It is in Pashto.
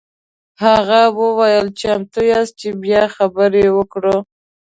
هغه وویل چمتو یاست چې بیا خبرې وکړو.